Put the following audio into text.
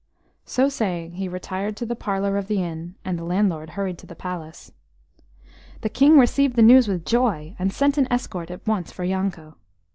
So saying, he retired to the parlour of the inn, and the landlord hurried to the palace. The King received the news with joy, and sent an escort at once for Yanko.